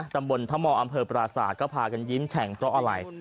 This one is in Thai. ตำบลทะมออำเภอปราศาสตร์ก็พากันยิ้มแฉ่งเพราะอะไร